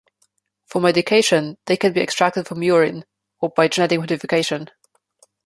For medication, they can be extracted from urine or by genetic modification.